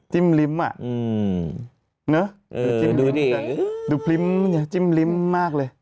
จิ้มริ้มอะเนอะดูดิดูพริ้มจิ้มริ้มมากเลย